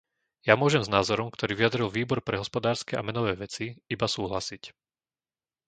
Ja môžem s názorom, ktorý vyjadril Výbor pre hospodárske a menové veci, iba súhlasiť.